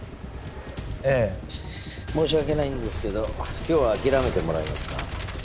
ええ申し訳ないんですけど今日は諦めてもらえますか？